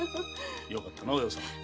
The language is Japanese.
よかったなお葉さん。